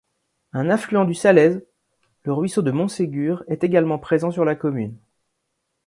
Un affluent du Saleys, le ruisseau de Montségur, est également présent sur la commune.